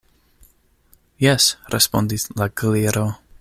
"Jes," respondis la Gliro.